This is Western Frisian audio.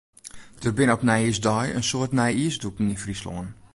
Der binne op nijjiersdei in soad nijjiersdûken yn Fryslân.